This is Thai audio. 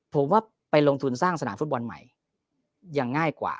ผมว่าไปลงทุนสร้างสนามฟุตบอลใหม่ยังง่ายกว่า